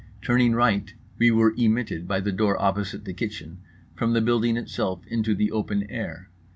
Turning right we were emitted, by the door opposite the kitchen, from the building itself into the open air.